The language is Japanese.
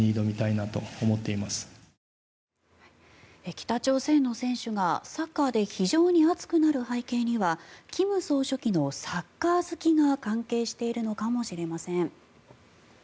北朝鮮の選手がサッカーで非常に熱くなる背景には金総書記のサッカー好きが関係しているのかもしれません。